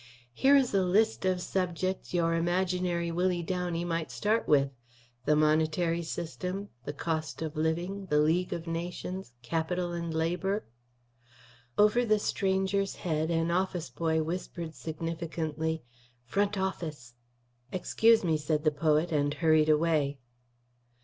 "Here is a list of subjects your imaginary Willie Downey might start with: The Monetary System; the Cost of Living; the League of Nations; Capital and Labour " Over the stranger's head an office boy whispered significantly: "Front office." "Excuse me," said the poet, and hurried away.